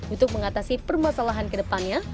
untuk mengatasi permasalahan kedepannya